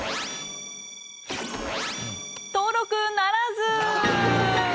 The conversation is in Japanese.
登録ならず！